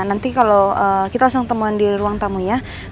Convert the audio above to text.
nanti kalau kita langsung temuan di ruang tamunya